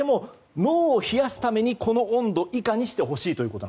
脳を冷やすためにこの温度以下にしてほしいと。